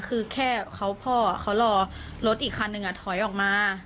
คือแค่พ่อเขารอรถอีกคันหนึ่งถอยออกมา